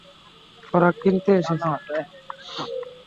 ওরা কিনতে এসেছে।